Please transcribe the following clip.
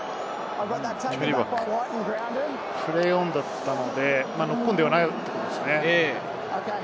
プレーオンだったので、ノックオンではないと思います。